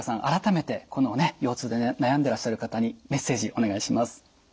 改めて腰痛で悩んでらっしゃる方にメッセージお願いします。